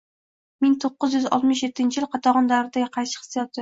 Ming to'qqiz yuz o'ttiz yettinchi yil qatag‘oni davriga qaytish hissiyotini